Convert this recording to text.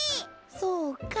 そうか。